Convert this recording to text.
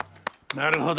なるほど。